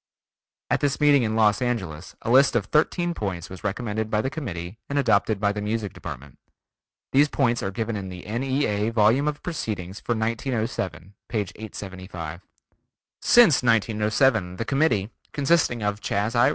At this meeting in Los Angeles a list of thirteen points was recommended by the committee and adopted by the Music Department. These points are given in the N.E.A. Volume of Proceedings for 1907, p. 875. Since 1907 the committee (consisting of Chas. I.